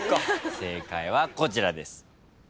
正解はこちらです。